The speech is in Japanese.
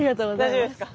大丈夫ですか？